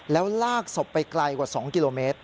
แล้วลากศพไปไกลกว่า๒กิโลเมตร